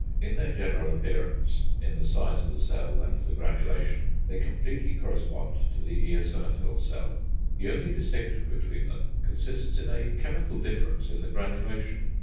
In their general appearance, in the size of the cell and the granulation, they completely correspond to the eosinophil cell. The only distinction between them consists in a chemical difference in the granulation.